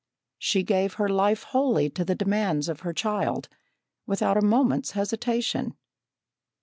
She gave her life wholly to the demands of her child, without a moment's hesitation.